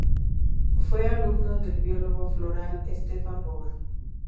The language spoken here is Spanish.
Fue alumno del biólogo floral Stefan Vogel.